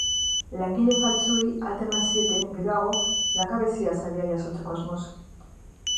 Langile faltsuei alta ematen zieten, geroago, langabezia saria jasotzeko asmoz.